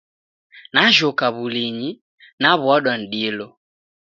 Najhoka w'ulinyi, naw'uadwa ni dilo